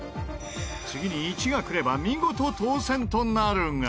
次に１がくれば見事当せんとなるが。